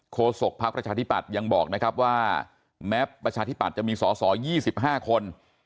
โคศกภาพประชาธิบัติยังบอกนะครับว่าแม้ประชาธิบัติจะมีเสา๒๕คน